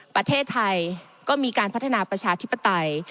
ประเทศไทยก็มีการพัฒนาประชาธิปไตย